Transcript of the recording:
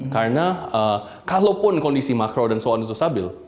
karena kalaupun kondisi makro dan so on itu stabil